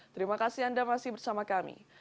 terima kasih anda masih bersama kami